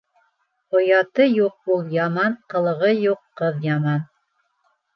Ояты юҡ ул яман, ҡылығы юҡ ҡыҙ яман.